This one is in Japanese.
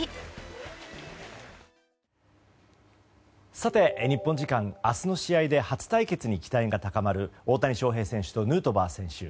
さて、日本時間明日の試合で初対決に期待が高まる大谷翔平選手とヌートバー選手。